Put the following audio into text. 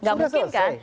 nggak mungkin kan